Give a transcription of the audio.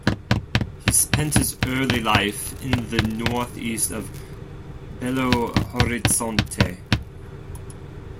He spent his early life in the northeast of Belo Horizonte.